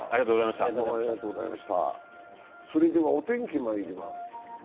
それではお天気にまいります。